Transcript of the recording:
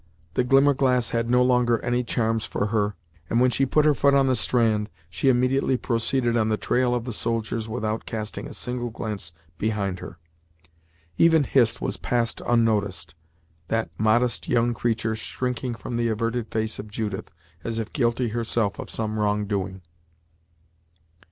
The glimmerglass had no longer any charms for her, and when she put her foot on the strand, she immediately proceeded on the trail of the soldiers without casting a single glance behind her. Even Hist was passed unnoticed, that modest young creature shrinking from the averted face of Judith, as if guilty herself of some wrongdoing.